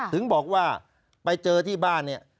ถึงบอกว่าไปเจอที่บ้านเนี่ย